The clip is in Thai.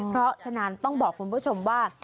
เพราะฉะนั้นต้องบอกคุณผู้ชมว่า